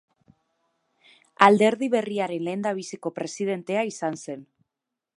Alderdi berriaren lehendabiziko presidentea izan zen.